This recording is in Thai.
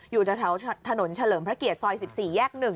อยู่แถวถนนเฉลิมพระเกียรติซอย๑๔แยก๑